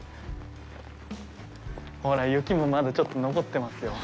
ほら、雪もまだちょっと残ってますよ。